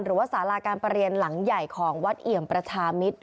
หรือว่าสาราการประเรียนหลังใหญ่ของวัดเอี่ยมประชามิตร